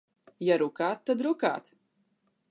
Ja rukāt, tad rukāt.